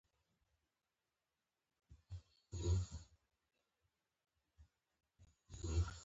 هلته یې اجازه راکړه.